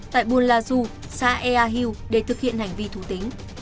tại buôn la du xã ea hiu để thực hiện hành vi thủ tính